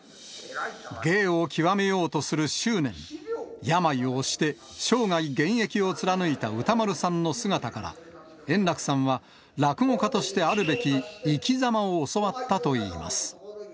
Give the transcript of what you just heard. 芸を究めようとする執念、病をおして、生涯現役を貫いた歌丸さんの姿から、円楽さんは落語家としてあるべき生きざまを教わったといいます。